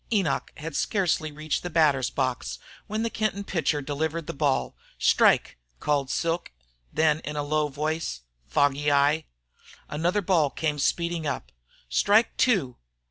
Enoch had scarcely reached the batter's box when the Kenton pitcher delivered the ball. "Strike!" called Silk, then in low voice, "Foggy eye." Another ball came speeding up. "Strike two!